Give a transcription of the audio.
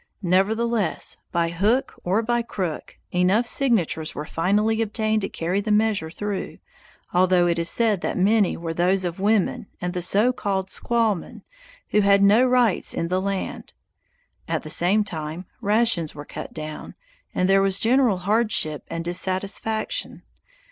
Nevertheless, by hook or by crook, enough signatures were finally obtained to carry the measure through, although it is said that many were those of women and the so called "squaw men", who had no rights in the land. At the same time, rations were cut down, and there was general hardship and dissatisfaction.